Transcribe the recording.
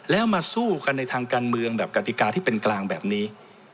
แล้วมาสู้กันในทางการเมืองแบบกติกาที่เป็นกลางแบบนี้